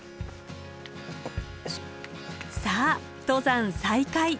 さあ登山再開。